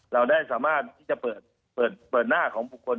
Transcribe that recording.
เราได้สามารถที่จะเปิดหน้าของบุคคล